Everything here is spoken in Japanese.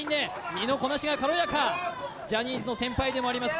身のこなしが軽やかジャニーズの先輩でもあります